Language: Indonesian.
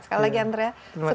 sekali lagi andrea